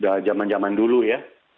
udah zaman zaman dulu ya